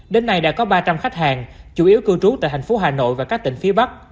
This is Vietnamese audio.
đến nay đã có ba trăm linh khách hàng chủ yếu cư trú tại thành phố hà nội và các tỉnh phía bắc